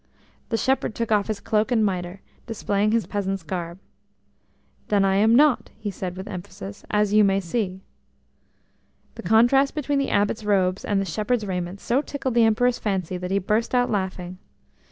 The shepherd took off his cloak and mitre, displaying his peasant's garb. "Then I am not," he said with emphasis, "as you may see." The contrast between the Abbot's robes and the shepherd's raiment so tickled the Emperor's fancy that he burst out laughing.